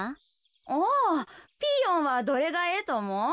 ああピーヨンはどれがええとおもう？